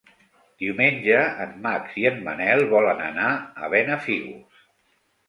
Diumenge en Max i en Manel volen anar a Benafigos.